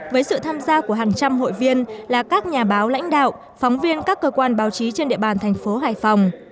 với sự tham gia của hàng trăm hội viên là các nhà báo lãnh đạo phóng viên các cơ quan báo chí trên địa bàn thành phố hải phòng